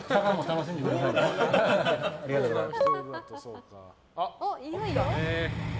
ありがとうございます。